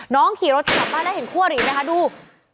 น้องขี่รถขับบ้านแล้วเห็นคั่วหรี่ไหมคะดู